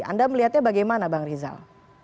anda melihatnya bagaimana bang rizal